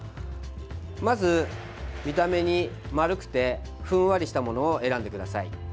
まず、見た目に丸くてふんわりしたものを選んでください。